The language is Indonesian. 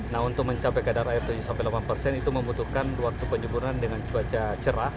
nah untuk mencapai kadar air tujuh sampai delapan persen itu membutuhkan waktu penyemburan dengan cuaca cerah